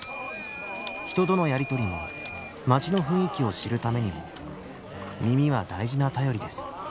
人とのやり取りも街の雰囲気を知るためにも耳は大事な頼りです